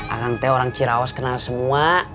akang teh orang ciraos kenal semua